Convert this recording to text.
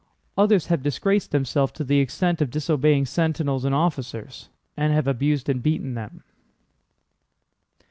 Others have disgraced themselves to the extent of disobeying sentinels and officers, and have abused and beaten them."